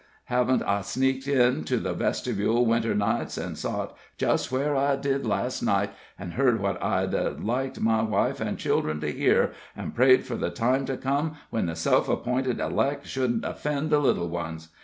Haven't I sneaked in to the vestibule Winter nights, an' sot just where I did last night, an' heard what I'd 'a liked my wife and children to hear, an' prayed for the time to come when the self app'inted elect shouldn't offend the little ones?